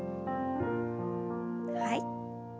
はい。